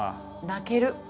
泣ける。